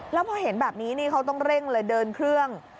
แล้วพอเห็นแบบนี้นี่เขาต้องเร่งเลยเดินเครื่อง